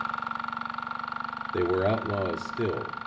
They were outlaws still.